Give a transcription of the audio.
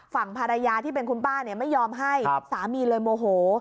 ฝั่งภรรยาที่เป็นคุณป้าไม่ยอมให้สามีเลยโมโห